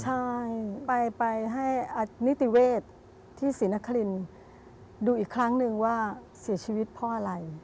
ใช่ไปให้นิติเวศที่ศรีนครินดูอีกครั้งนึงว่าเสียชีวิตเพราะอะไร